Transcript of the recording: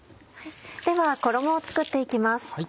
では衣を作って行きます。